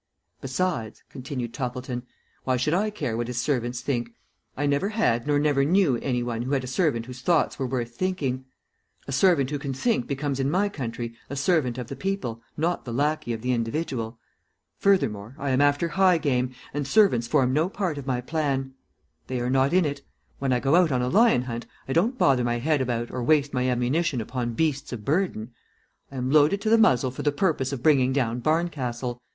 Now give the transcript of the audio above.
Besides," continued Toppleton, "why should I care what his servants think? I never had nor ever knew any one who had a servant whose thoughts were worth thinking. A servant who can think becomes in my country a servant of the people, not the lackey of the individual. Furthermore, I am after high game, and servants form no part of my plan. They are not in it. When I go out on a lion hunt I don't bother my head about or waste my ammunition upon beasts of burden. I am loaded to the muzzle for the purpose of bringing down Barncastle.